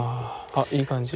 あっいい感じ。